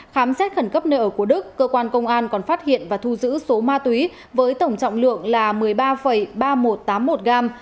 khám xét khẩn cấp nợ của đức cơ quan công an còn phát hiện và thu giữ số ma túy với tổng trọng lượng là một mươi ba ba nghìn một trăm tám mươi một gram